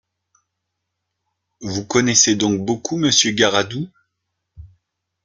Vous connaissez donc beaucoup Monsieur Garadoux ?